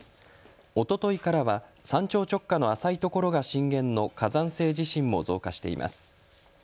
おとといからは山頂直下の浅いところが震源の火山性地震も増加しています。